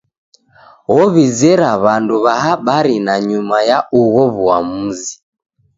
Ow'izera w'andu w'a habari nanyuma ya ugho w'uamuzi.